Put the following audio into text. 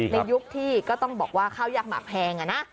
ในยุคที่ก็ต้องบอกว่าข้าวยากหมากแพง